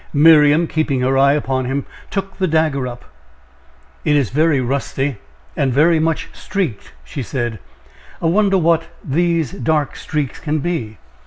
Miriam, keeping her eye upon him, took the dagger up. "It is very rusty, and very much streaked," she said. "I wonder what these dark streaks can be?